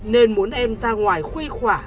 nên muốn em ra ngoài khuây khỏa